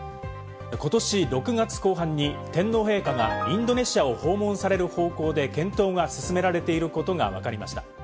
今年６月後半に天皇陛下がインドネシアを訪問される方向で検討が進められていることがわかりました。